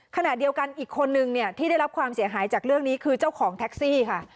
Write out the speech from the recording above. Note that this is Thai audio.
ขณะเดียวกันอีกคนนึงเนี่ยที่ได้รับความเสียหายจากเรื่องนี้คือเจ้าของแท็กซี่ค่ะ